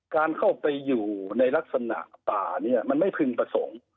การเข้าไปอยู่ในลักษณะป่าเนี่ยมันไม่พึงประสงค์